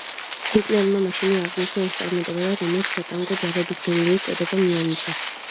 ჰიტლერმა მაშინვე აღნიშნა ეს წარმატება და რომელს სატანკო ჯარების გენერლის წოდება მიანიჭა.